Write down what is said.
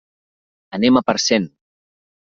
Anem a Parcent.